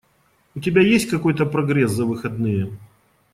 У тебя есть какой-то прогресс за выходные?